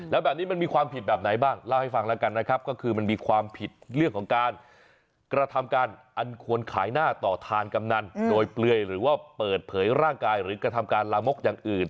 แล้วแบบนี้มันมีความผิดแบบไหนบ้างเล่าให้ฟังแล้วกันนะครับก็คือมันมีความผิดเรื่องของการกระทำการอันควรขายหน้าต่อทานกำนันโดยเปลือยหรือว่าเปิดเผยร่างกายหรือกระทำการลามกอย่างอื่น